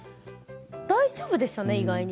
大丈夫でしたね。